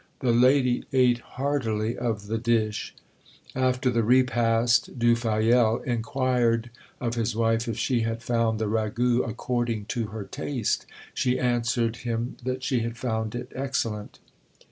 The lady ate heartily of the dish. After the repast, Du Fayel inquired of his wife if she had found the ragout according to her taste: she answered him that she had found it excellent.